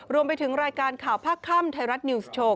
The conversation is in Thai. รวมไปถึงรายการข่าวภาคค่ำไทยรัฐนิวส์โชว์